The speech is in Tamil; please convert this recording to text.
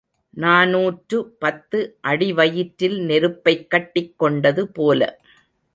நாநூற்று பத்து அடிவயிற்றில் நெருப்பைக் கட்டிக் கொண்டது போல.